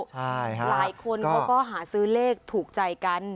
หลายคนเขาก็หาซื้อเลขถูกใจกัน